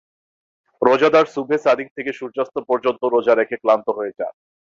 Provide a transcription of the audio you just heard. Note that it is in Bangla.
রোজাদার সুবহে সাদিক থেকে সূর্যাস্ত পর্যন্ত রোজা রেখে ক্লান্ত হয়ে যান।